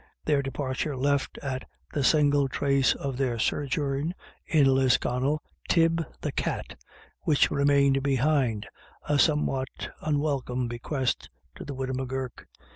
Their departure left, as the single trace of their sojourn in Lisconnel, Tib the cat, which remained behind, a somewhat unwelcome bequest to the widow M'Gurk.